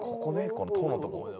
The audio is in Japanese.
この“と”のとこ」